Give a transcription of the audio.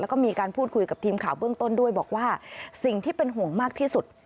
แล้วก็มีการพูดคุยกับทีมข่าวเบื้องต้นด้วยบอกว่าสิ่งที่เป็นห่วงมากที่สุด